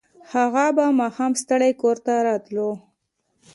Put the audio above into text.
هغه به ماښام ستړی کور ته راتلو